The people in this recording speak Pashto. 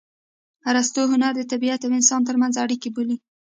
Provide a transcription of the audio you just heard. ارستو هنر د طبیعت او انسان ترمنځ اړیکه بولي